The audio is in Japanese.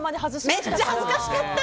めっちゃ恥ずかしかった！